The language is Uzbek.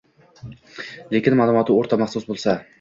lekin ma’lumoti o‘rta maxsus bo‘lsa